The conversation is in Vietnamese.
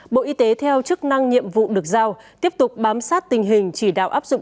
bộ y tế theo chức năng nhiệm vụ được giao tiếp tục bám sát tình hình chỉ đạo áp dụng